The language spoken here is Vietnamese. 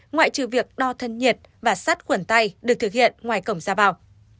ngoại trừ việc đo thân nhiệt và sát quần tay được thực hiện ngoài cổng ra bào